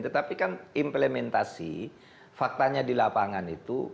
tetapi kan implementasi faktanya di lapangan itu